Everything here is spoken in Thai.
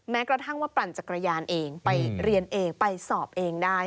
แม้กระทั่งว่าปั่นจักรยานเองไปเรียนเองไปสอบเองได้